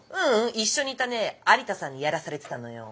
一緒にいたね有田さんにやらされてたのよ。